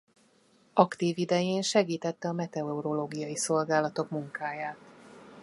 Aktív idején segítette a meteorológiai szolgálatok munkáját.